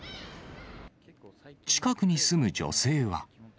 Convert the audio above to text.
近くに住む女性は。